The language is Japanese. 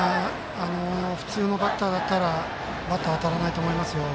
普通のバッターだったらバット当たらないと思います。